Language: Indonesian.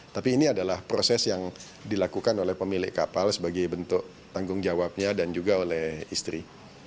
tapi ini adalah proses yang dilakukan oleh pemilik kapal sebagai bentuk tanggung jawabnya dan juga oleh istri